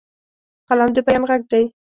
قلم د بیان غږ دی